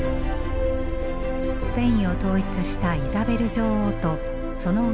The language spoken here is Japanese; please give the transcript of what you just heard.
スペインを統一したイザベル女王とその夫